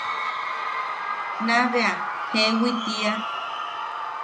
Naa bea jeewi tiia.